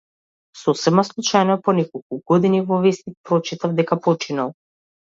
Сосема случајно, по неколку години, во весник прочитав дека починал.